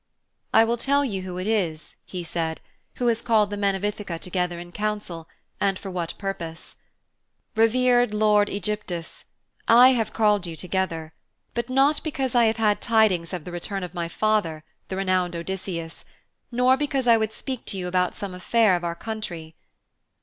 'I will tell you who it is,' he said, 'who has called the men of Ithaka together in council, and for what purpose. Revered lord Ægyptus, I have called you together, but not because I have had tidings of the return of my father, the renowned Odysseus, nor because I would speak to you about some affair of our country.